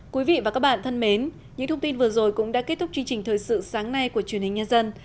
quý vị và các bạn thân mến những thông tin vừa rồi cũng đã kết thúc chương trình thời sự sáng nay của truyền hình nhân dân